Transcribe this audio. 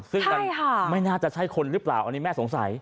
ซึ่งมันไม่น่าจะใช่คนหรือเปล่าอันนี้แม่สงสัย